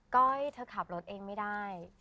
้อยเธอขับรถเองไม่ได้